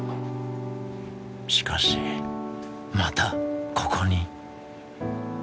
しかしまたここに。